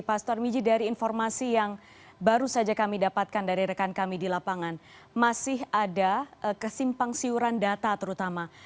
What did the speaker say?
pak sutar miji dari informasi yang baru saja kami dapatkan dari rekan kami di lapangan masih ada kesimpang siuran data terutama